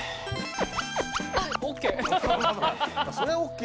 ＯＫ